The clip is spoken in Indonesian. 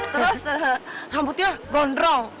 terus rambutnya gondrong